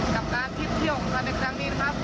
กับงานด้วยเที่ยวของเทอดเถ็กตั้งนนี้นะครับ